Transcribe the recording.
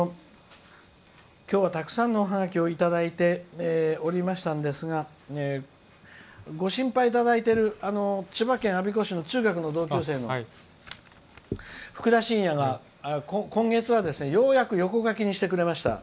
今日はたくさんのおハガキをいただいておりましたんですがご心配いただいている千葉県我孫子市の中学の同級生の、ふくだしんやが今月はようやく横書きにしてくれました。